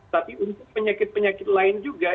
tapi untuk penyakit penyakit lain juga